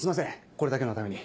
これだけのために。